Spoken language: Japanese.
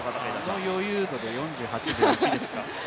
あの余裕度で４８秒１２ですか。